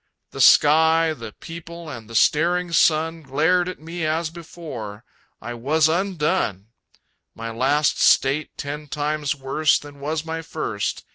The sky, the people and the staring sun Glared at me as before. I was undone. My last state ten times worse than was my first.